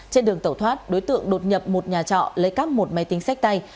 trên đường tẩu thoát đối tượng đột nhập một nhà trọ lấy cắp một máy tính sách tay